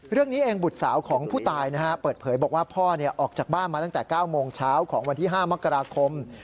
เรื่องนี้เองบุตรสาวของผู้ตายเปิดเผยบอกว่าพ่อออกจากบ้านมาตั้งแต่๙โมงเช้าของวันที่๕มกราคม